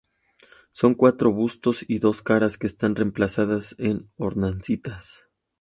Son cuatro bustos y dos caras que están emplazadas en hornacinas.